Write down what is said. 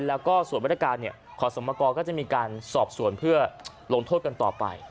แล้วก็ส่วนมาตรการขอสมกรก็จะมีการสอบสวนเพื่อลงโทษกันต่อไป